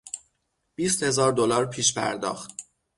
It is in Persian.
بیستهزار دلار پیش پرداخت